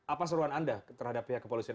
apa seruan anda terhadap pihak kepolisian